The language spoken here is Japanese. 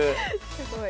すごい。